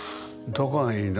どこがいいの？」